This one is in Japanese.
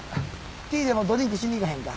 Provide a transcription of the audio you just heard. ティーでもドリンクしに行かへんか？